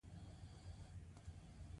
قدرت د ژوندي موجوداتو ترمنځ اړیکې جوړوي.